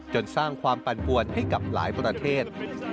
สร้างความปั่นปวนให้กับหลายประเทศ